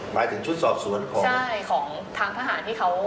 หมายถึงชุดสอบสวนก่อนใช่ของทางทหารที่เขา